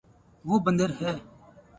وہ بندر ہے